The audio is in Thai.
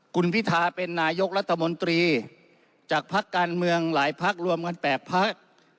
กุลพิธาเป็นนายกรัฐมนตรีจากภักดิ์การเมืองหลายภักดิ์รวมกัน๘ภักดิ์